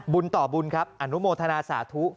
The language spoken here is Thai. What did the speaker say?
บุญต่อบุญครับอนุโมทนาสาธุ